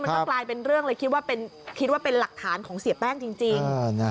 มันก็กลายเป็นเรื่องเลยคิดว่าเป็นหลักฐานของเสียแป้งจริง